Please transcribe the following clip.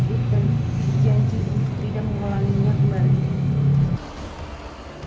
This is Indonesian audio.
saya berjanji tidak mengulanginya kembali